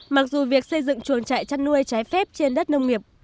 mặc dù việc xây dựng chuồng trại chăn nuôi trái phép trên đất nông nghiệp